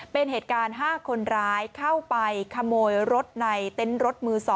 เป็นเหตุการณ์๕คนร้ายเข้าไปขโมยรถในเต็นต์รถมือ๒